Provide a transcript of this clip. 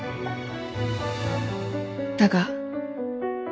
だが